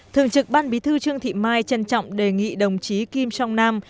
thường trực ban bí thư trương thị mai trân trọng đề nghị đồng chí kim trong nam